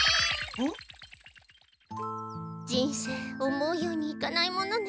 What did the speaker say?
ん？人生思うようにいかないものね。